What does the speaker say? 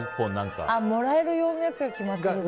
もらえる用のやつが決まってるのか。